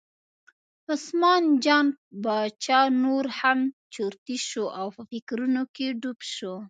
عثمان جان باچا نور هم چرتي شو او په فکرونو کې ډوب شو.